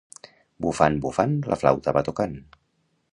Bufant, bufant, la flauta va tocant.